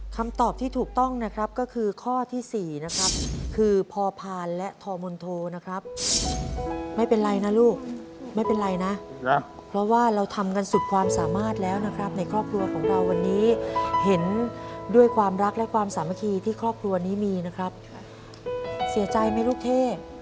คำตอบที่ถูกต้องนะครับก็คือข้อที่๔นะครับคือพอพานและทมนโทนะครับไม่เป็นไรนะลูกไม่เป็นไรนะเพราะว่าเราทำกันสุดความสามารถแล้วนะครับในครอบครัวของเราวันนี้เห็นด้วยความรักและความสามัคคีที่ครอบครัวนี้มีนะครับเสียใจไหมลูกเท่